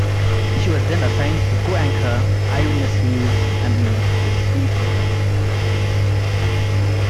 She was then assigned to co-anchor "Eyewitness News at Noon" with Steve Eagar.